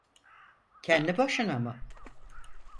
Kendi başına mı?